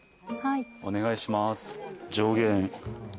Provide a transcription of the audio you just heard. お願いします。